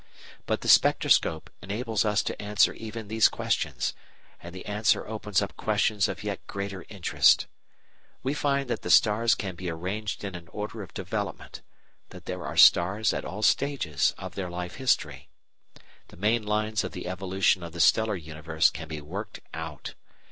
But the spectroscope enables us to answer even these questions, and the answer opens up questions of yet greater interest. We find that the stars can be arranged in an order of development that there are stars at all stages of their life history. The main lines of the evolution of the stellar universe can be worked out.